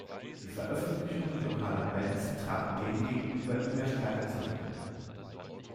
Die Veröffentlichungen lokaler Bands traten demgegenüber immer stärker zurück.